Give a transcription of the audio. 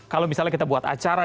kalau misalnya kita buat acara